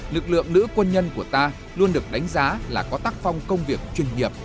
lực lượng nữ quân nhân của ta luôn được đánh giá là có tác phong công việc chuyên nghiệp